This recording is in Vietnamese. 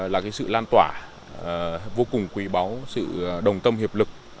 là sự lan tỏa vô cùng quý báu sự đồng tâm hiệp lực